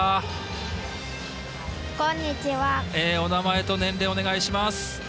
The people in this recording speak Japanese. お名前と年齢お願いします。